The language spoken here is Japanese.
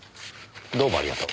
どうもありがとう。